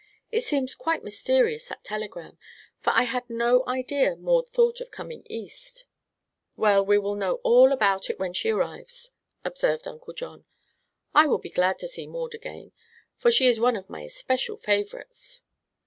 It seems quite mysterious, that telegram, for I had no idea Maud thought of coming East." "Well, we will know all about it when she arrives," observed Uncle John. "I will be glad to see Maud again, for she is one of my especial favorites."